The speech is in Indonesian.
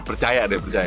percaya deh percaya